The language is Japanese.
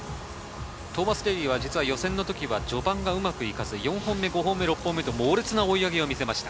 トーマス・デーリーは予選の時は序盤がうまくいかず、４本目、５本目、６本目と猛烈な追い上げを見せました。